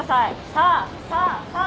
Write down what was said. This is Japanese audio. さあさあさあ！